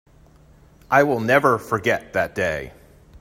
I will never forget that day.